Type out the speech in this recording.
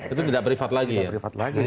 itu tidak private lagi ya